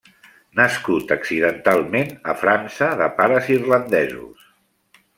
Nascut accidentalment a França, de pares irlandesos.